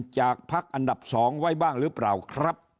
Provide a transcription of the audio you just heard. จากพักอันดับ๒ไว้บ้างหรือเปล่าครับ